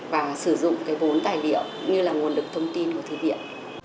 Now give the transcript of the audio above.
và sử dụng cái vốn tài liệu như là nguồn lực thông tin của thư viện